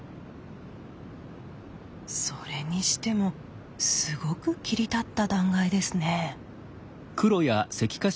それにしてもすごく切り立った断崖ですね。